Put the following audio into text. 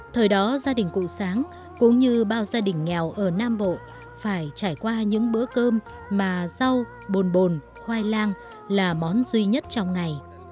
thời đó gia đình cụ sáng cũng như bao gia đình nghèo ở nam bộ phải trải qua những bữa cơm mà rau bồn bồn khoai lang là món duy nhất trong ngày